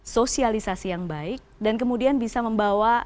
sosialisasi yang baik dan kemudian bisa membawa